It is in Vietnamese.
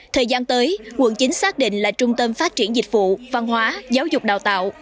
thời gian tới quận chín xác định là trung tâm phát triển dịch vụ văn hóa giáo dục đào tạo